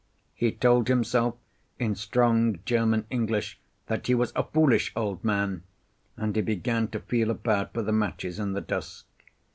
He told himself in strong German English that he was a foolish old man, and he began to feel about for the matches in the dusk.